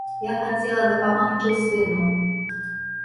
Я хацела дапамагчы сыну.